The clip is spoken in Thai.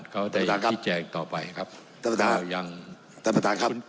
เขาได้ที่แจกต่อไปครับต้องยังท่านประธานครับ